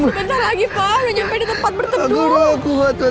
sebentar lagi pak